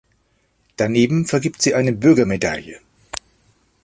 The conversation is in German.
Daneben vergibt sie eine Bürgermedaille.